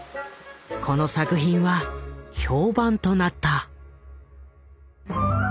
この作品は評判となった。